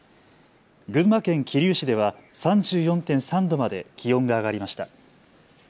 群馬県桐生市では３４．３度まで気温が上がりました。